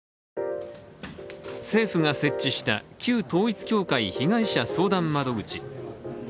政府が設置した旧統一教会被害者相談窓口。